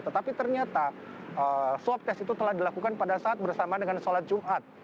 tetapi ternyata swab test itu telah dilakukan pada saat bersama dengan sholat jumat